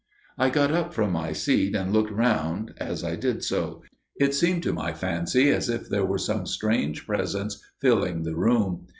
I got up from my seat, and looked round as I did so. It seemed to my fancy as if there were some strange Presence filling the room.